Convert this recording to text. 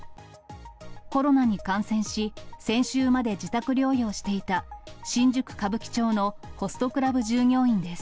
コロナに感染し、先週まで自宅療養していた、新宿・歌舞伎町のホストクラブ従業員です。